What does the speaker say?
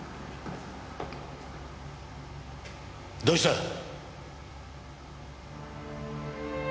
どうした？